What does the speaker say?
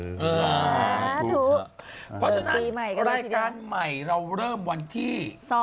เพราะฉะนั้นรายการใหม่เราเริ่มวันที่๒